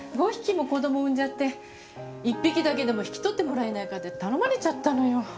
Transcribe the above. ５匹も子供を産んじゃって１匹だけでも引き取ってもらえないかって頼まれちゃったのよ。